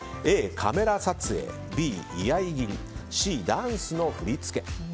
Ａ、カメラ撮影、Ｂ、居合斬りＣ、ダンスの振り付け。